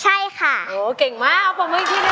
โหแก่งมากพางมือกันทีหนึ่ง